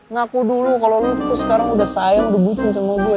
ngaku dulu kalo lu tuh sekarang udah sayang udah bucin sama gue